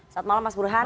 selamat malam mas burhan